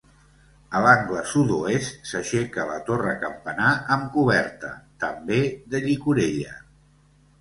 A l'angle sud-oest s'aixeca la torre-campanar amb coberta, també, de llicorella.